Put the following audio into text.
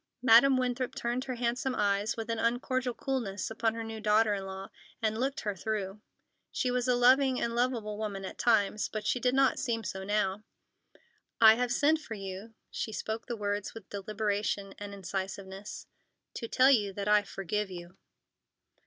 Madam Winthrop turned her handsome eyes with an uncordial coolness upon her new daughter in law, and looked her through. She was a loving and lovable woman at times, but she did not seem so now. "I have sent for you"—she spoke the words with deliberation and incisiveness—"to tell you that I forgive you."